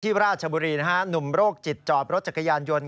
พี่พระอาจบุรีหนุ่มโรคจิตจอดรถจักรยานยนต์